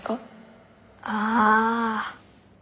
ああ。